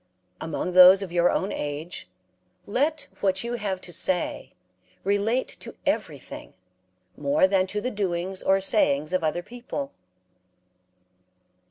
Among those of your own age let what you have to say relate to everything more than to the doings or sayings of other people.